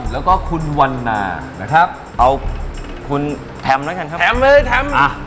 แล้วก็คุณวันนานะครับเอาคุณแอมแล้วกันครับแถมเลยแถมอ่ะ